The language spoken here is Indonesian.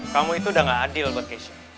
kamu itu udah gak adil buat cash